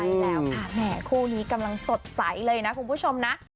ใช่แล้วค่ะแหมคู่นี้กำลังสดใสเลยนะคุณผู้ชมนะ